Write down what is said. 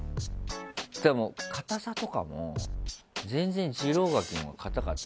でも硬さとかも全然、次郎柿のほうが硬かった。